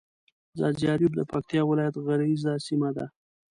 ځاځي اريوب د پکتيا ولايت غرييزه سيمه ده.